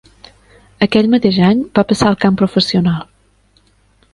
Aquell mateix any va passar al camp professional.